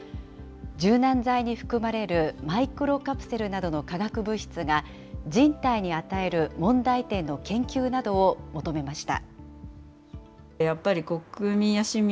柔軟剤に含まれるマイクロカプセルなどの化学物質が、人体に与える問題点の研究などを求めました。